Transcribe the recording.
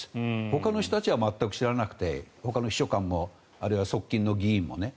ほかの人たちは全く知らなくてほかの秘書官もあるいは側近の議員も。